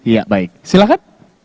ya baik silahkan